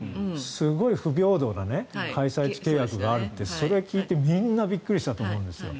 すごい不平等な契約があるとそれを聞いてみんなびっくりしたと思うんです。